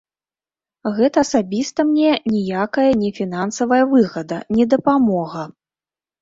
Гэта асабіста мне ніякая не фінансавая выгада, не дапамога.